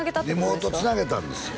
リモートつなげたんですよ